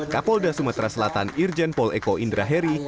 kapolda sumatera selatan irjen pol eko indra heri